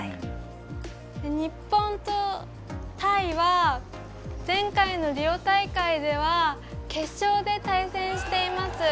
日本とタイは前回のリオ大会では決勝で対戦しています。